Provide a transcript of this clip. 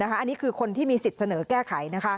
อันนี้คือคนที่มีสิทธิ์เสนอแก้ไข